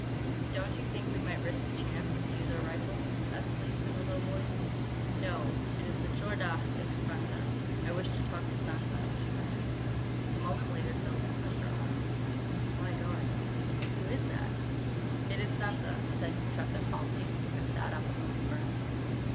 "Don't you think we might risk the chance and use our rifles?" asked Cleves in a low voice. "No. It is the Tchor Dagh that confronts us. I wish to talk to Sansa," she murmured. A moment later Selden touched her arm. "My God," he breathed, "who is that!" "It is Sansa," said Tressa calmly, and sat up among the ferns.